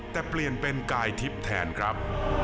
แต่เปลี่ยนเป็นกายทิพย์แทนครับ